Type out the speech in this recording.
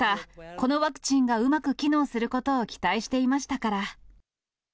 このワクチンがうまく機能することを期待していましたから。